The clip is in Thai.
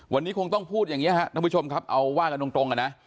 วันนี้คงต้องพูดอย่างเงี้ยฮะน้องผู้ชมครับเอาว่ากันตรงตรงอ่ะนะ